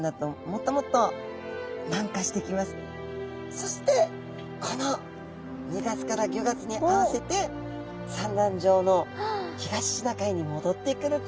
そしてそしてこの２月から５月に合わせて産卵場の東シナ海に戻ってくるっていうことなんですね。